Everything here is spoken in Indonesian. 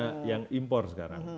nah yang impor sekarang